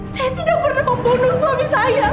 saya tidak pernah membunuh suami saya